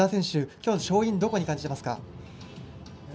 きょうの勝因どこに感じていますか？